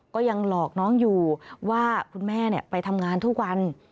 ก็ยังหลอกน้องอยู่ว่าคุณแม่ไปทำงานทุกวัน